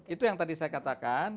itu yang tadi saya katakan